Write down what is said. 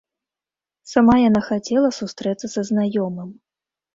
Сама яна хацела сустрэцца са знаёмым.